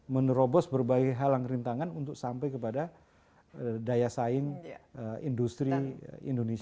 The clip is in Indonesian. menerobos berbagai halang rintangan untuk sampai kepada daya saing industri